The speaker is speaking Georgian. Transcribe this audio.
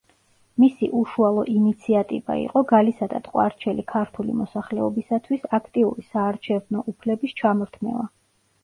მისი უშუალო ინიციატივა იყო გალისა და ტყვარჩელი ქართული მოსახლეობისათვის აქტიური საარჩევნო უფლების ჩამორთმევა.